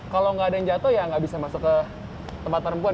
kalau nggak ada yang jatuh ya nggak bisa masuk ke tempat perempuan